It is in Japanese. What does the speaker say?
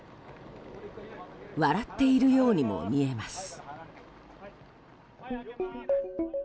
笑っているようにも見えます。